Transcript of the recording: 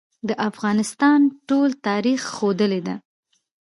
د افغانستان ټول تاریخ ښودلې ده.